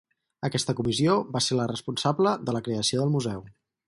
Aquesta comissió va ser la responsable de la creació del museu.